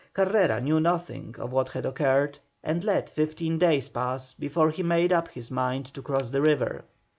Carrera knew nothing of what had occurred, and let fifteen days pass before he made up his mind to cross the river.